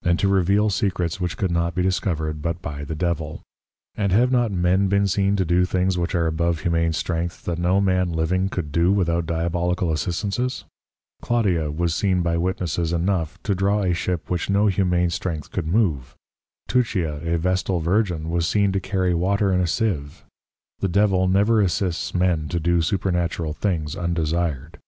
And to reveal Secrets which could not be discovered but by the Devil? And have not men been seen to do things which are above humane Strength, that no man living could do without Diabolical Assistances? Claudia was seen by Witnesses enough, to draw a Ship which no humane Strength could move. Tuccia a Vestal Virgin was seen to carry Water in a Sieve: The Devil never assists men to do supernatural things undesired.